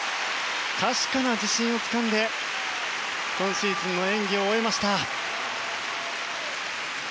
確かな自信をつかんで今シーズンの演技を終えました。